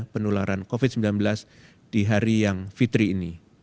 penularan covid sembilan belas di hari yang fitri ini